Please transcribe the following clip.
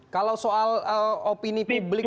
kalau soal opini publik